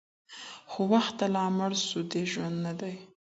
خو وخته لا مړ سوى دی ژوندى نـه دئ